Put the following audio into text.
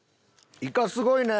イカすごいね。